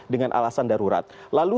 dengan alasan darurat lalu